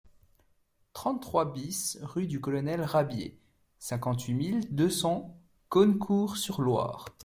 trente-trois BIS rue du Colonel Rabier, cinquante-huit mille deux cents Cosne-Cours-sur-Loire